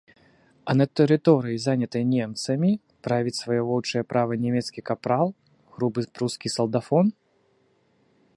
А на тэрыторыі, занятай немцамі, правіць сваё воўчае права нямецкі капрал, грубы прускі салдафон?